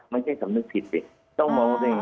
ไม่ใช่สำนึกผิดเนี่ย